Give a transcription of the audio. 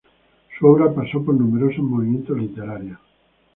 Su obra pasó por numerosos movimientos literarios.